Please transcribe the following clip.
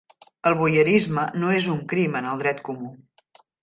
El voyeurisme no és un crim en el dret comú.